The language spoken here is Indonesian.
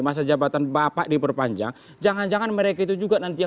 masa jabatan bapak diperpanjang jangan jangan mereka itu juga nanti yang